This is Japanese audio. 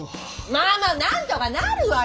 まあまあ何とかなるわよ！